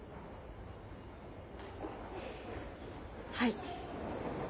はい。